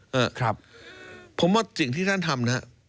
ครับผมว่าสิ่งที่ท่านทำนะครับ